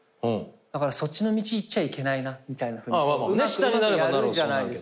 だからそっちの道行っちゃいけないなみたいにうまくやるじゃないですか。